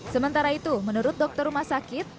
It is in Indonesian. sementara itu menurut dokter rumah sakit